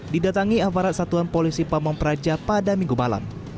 didatangi avarat satuan polisi pemom praja pada minggu malam